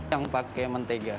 yang pakai mentega